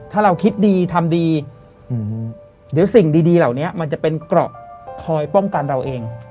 ถ้าเราคิดดีทำดีเดี๋ยวสิ่งดีเหล่านี้มันจะเป็นเกราะคอยป้องกันเราเอง